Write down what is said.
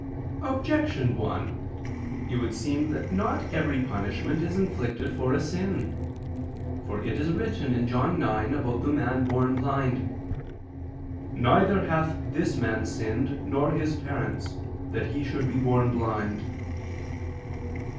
Objection 1: It would seem that not every punishment is inflicted for a sin. For it is written (John 9:3, 2) about the man born blind: "Neither hath this man sinned, nor his parents ... that he should be born blind."